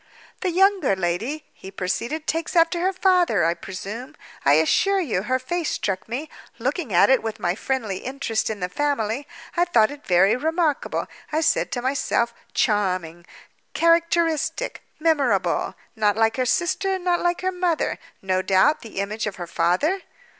"The younger lady," he proceeded, "takes after her father, I presume? I assure you, her face struck me. Looking at it with my friendly interest in the family, I thought it very remarkable. I said to myself—Charming, Characteristic, Memorable. Not like her sister, not like her mother. No doubt, the image of her father?"